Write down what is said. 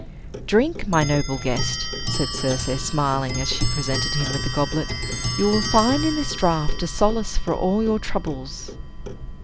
"Drink, my noble guest," said Circe, smiling, as she presented him with the goblet. "You will find in this draught a solace for all your troubles."